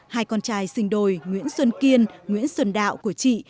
hai con trai sinh đôi nguyễn xuân kiên nguyễn xuân đạo của chị